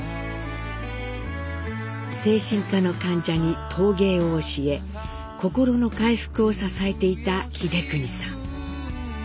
精神科の患者に陶芸を教え心の回復を支えていた英邦さん。